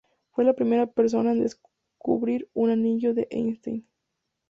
Fue la primera persona en descubrir un anillo de Einstein.